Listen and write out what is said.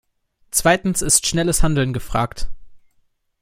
Zweitens ist schnelles Handeln gefragt.